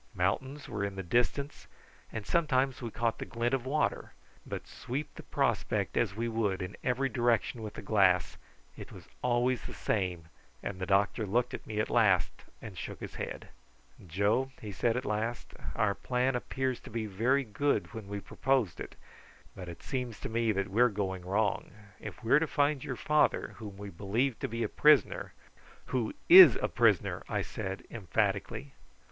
Mountains were in the distance, and sometimes we caught the glint of water; but sweep the prospect as we would in every direction with the glass it was always the same, and the doctor looked at me at last and shook his head. "Joe," he said at last, "our plan appeared to be very good when we proposed it, but it seems to me that we are going wrong. If we are to find your father, whom we believe to be a prisoner " "Who is a prisoner!" I said emphatically.